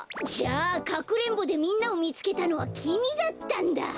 じゃあかくれんぼでみんなをみつけたのはきみだったんだ。